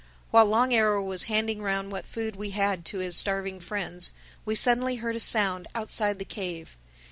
While Long Arrow was handing round what food we had to his starving friends, we suddenly heard a sound outside the cave.